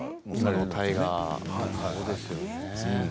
大河そうですよね。